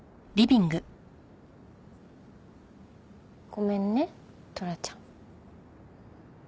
ごめんねトラちゃん。